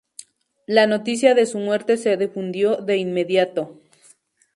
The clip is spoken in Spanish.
La noticia de su muerte se difundió de inmediato.